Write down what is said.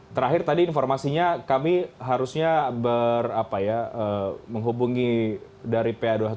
terakhir tadi informasinya kami harusnya menghubungi dari pa dua ratus dua belas